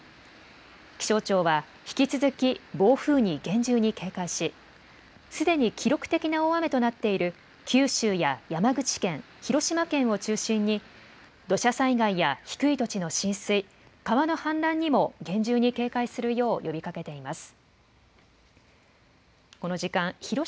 気象庁は、引き続き暴風に厳重に警戒し、すでに記録的な大雨となっている九州や山口県、広島県を中心に、土砂災害や低い土地の浸水、川の氾濫にも厳重に警戒するよう呼びかけています。